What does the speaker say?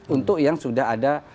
untuk yang sudah ada